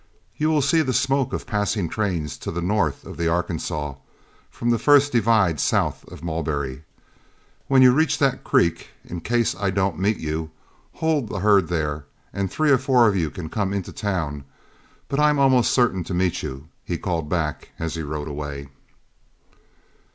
You will see the smoke of passing trains to the north of the Arkansaw, from the first divide south of Mulberry. When you reach that creek, in case I don't meet you, hold the herd there and three or four of you can come on into town. But I'm almost certain to meet you," he called back as he rode away.